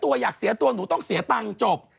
ถ้าเธออยากเสียตัวหนูต้องเสียตังงจบ